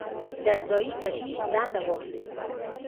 د ځايي کشیش دنده واخلي.